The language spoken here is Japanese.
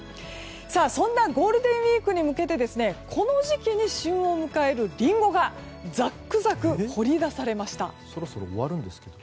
そんなゴールデンウィークに向けてこの時期に旬を迎えるリンゴがざっくざく掘り出されました。